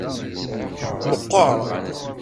Meqqar.